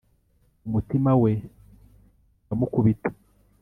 umutima we uramukubita